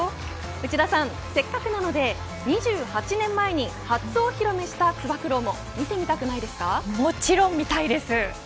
内田さん、せっかくなので２８年前に初お披露目したつば九郎ももちろん見たいです。